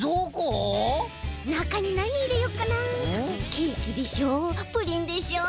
ケーキでしょプリンでしょ